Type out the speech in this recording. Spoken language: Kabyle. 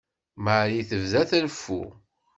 Marie tebda treffu.